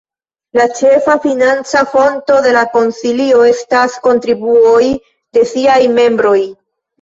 La ĉefa financa fonto de la Konsilio estas kontribuoj de siaj membroj.